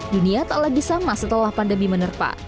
dunia tak lagi sama setelah pandemi menerpa